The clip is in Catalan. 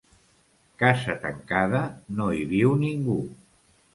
Casa tancada, no hi viu ningú.